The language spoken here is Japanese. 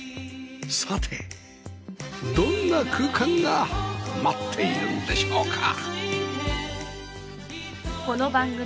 さてどんな空間が待っているんでしょうか？